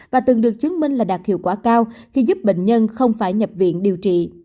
và từng được chứng minh là đạt hiệu quả cao khi giúp bệnh nhân không phải nhập viện điều trị